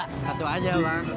satu aja bang